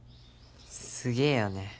すげぇよね。